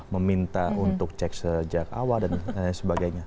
meminta untuk cek sejak awal dan sebagainya